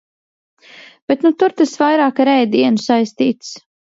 Bet nu tur tas vairāk ar ēdienu saistīts.